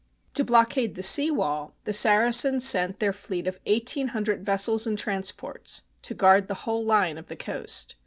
To blockade the sea wall, the Saracens sent their fleet of eighteen hundred vessels and transports, to guard the whole line of the coast.